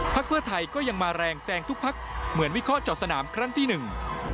เพื่อไทยก็ยังมาแรงแซงทุกพักเหมือนวิเคราะห์สนามครั้งที่หนึ่ง